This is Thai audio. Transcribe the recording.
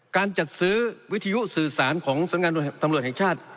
การจัดซื้อวิทยุสื่อสารของสำนักงานตำรวจแห่งชาติ